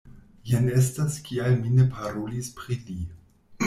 Jen estas kial mi ne parolis pri li.